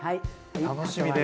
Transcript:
楽しみです。